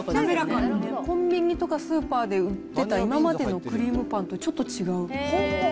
コンビニとかスーパーで売ってた今までのクリームパンとちょっと違う。